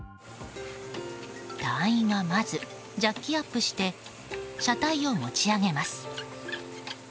隊員は、まずジャッキアップして車体を持ち上げます。